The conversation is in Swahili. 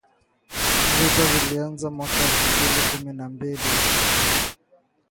Vita vilianza mwaka elfu mbili kumi na mbili